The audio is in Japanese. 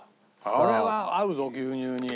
これは合うぞ牛乳に。